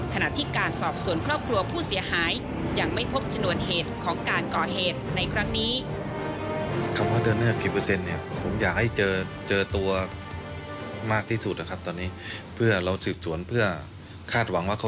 ขณะที่การสอบสวนครอบครัวผู้เสียหาย